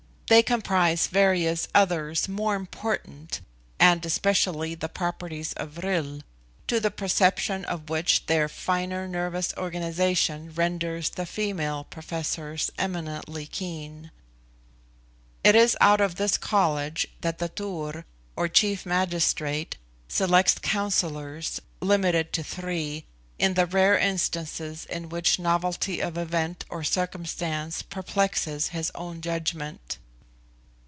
They comprise various others more important, and especially the properties of vril, to the perception of which their finer nervous organisation renders the female Professors eminently keen. It is out of this college that the Tur, or chief magistrate, selects Councillors, limited to three, in the rare instances in which novelty of event or circumstance perplexes his own judgment.